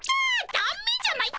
だめじゃないか！